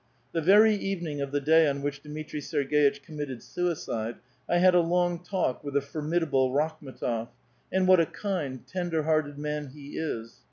The very evening of the day on wbich Dmitri Serg^itch committed suicide, I had a long talk with the fomiidable Rakhm6tof — and what a kind, ten der hearted man he is